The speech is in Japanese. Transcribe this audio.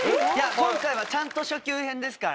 今回はちゃんと初級編ですから。